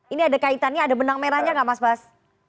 ini ada kaitannya ada benang merahnya nggak mas bas